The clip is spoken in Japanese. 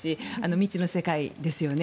未知の世界ですよね。